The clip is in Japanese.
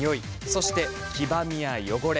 そして、黄ばみや汚れ